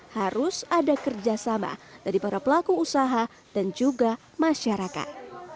harus ada kerjasama dari para pelaku usaha dan juga masyarakat